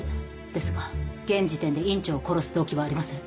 ですが現時点で院長を殺す動機はありません。